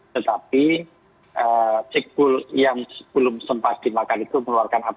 tetapi s cikbul yang belum sempat dimakan itu melaporkan